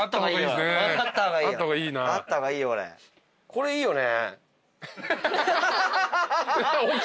「これいいよね」